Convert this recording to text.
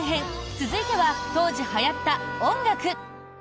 続いては当時はやった音楽。